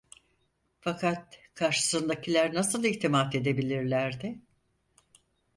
Fakat karşısındakiler nasıl itimat edebilirlerdi?